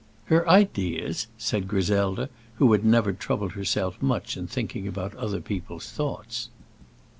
"Her ideas!" said Griselda, who had never troubled herself much in thinking about other people's thoughts.